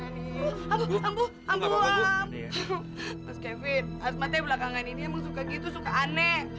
ambo ambo ambo am mas kevin asmatnya belakangan ini emang suka gitu suka aneh